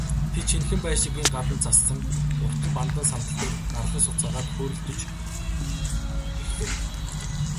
Тэд, шинэхэн байшингийн гадна зассан уртхан бандан сандал дээр нарлан сууцгаагаад хөөрөлдөж эхлэв.